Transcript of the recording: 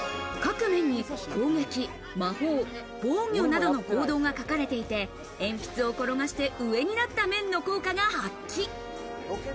各面に攻撃、魔法、防御などの行動が描かれていて鉛筆を転がして、上になった面の効果が発揮。